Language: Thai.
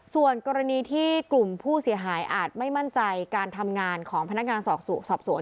ส่วนกรณีที่กลุ่มผู้เสียหายอาจไม่มั่นใจการทำงานของพนักงานสอบสวน